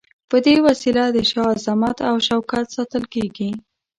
په دې وسیله د شاه عظمت او شوکت ساتل کیږي.